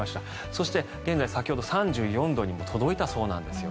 そして、現在先ほど３４度にも届いたそうなんです。